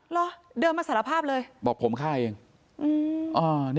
เล่าเดินมาสารภาพเลยบอกผมก่อน